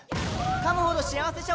かむほど幸せ食感！